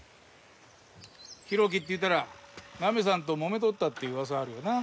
浩喜っていったらナミさんともめとったって噂あるよな。